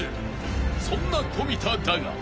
［そんな富田だが］